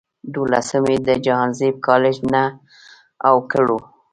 دولسم ئې د جهانزيب کالج نه اوکړو